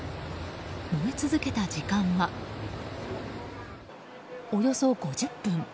燃え続けた時間は、およそ５０分。